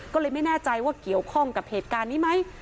ก็เลยไม่แน่ใจว่าเกี่ยวข้องกับเหตุการณ์นี้ไหม